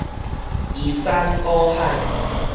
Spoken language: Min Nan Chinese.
移山倒海